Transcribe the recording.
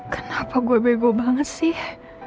kenapa gue bego banget sih